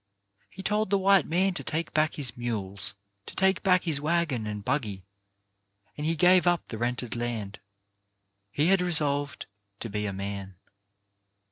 He told the white man to take back his mules, to take back his waggon and buggy ; and he gave up the rented land. He had resolved to be a man.